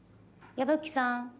・矢吹さん。